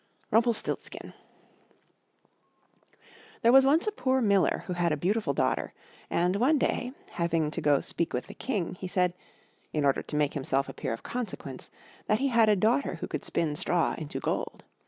RUMPELSTILTSKIN There was once a poor Miller who had a beautiful daughter, and one day, having to go to speak with the King, he said, in order to make himself appear of consequence, that he had a daughter who could spin straw into gold.